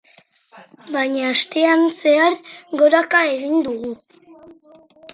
Baina astean zehar goraka egin dugu.